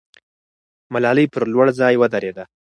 ملالۍ پر لوړ ځای ودرېده.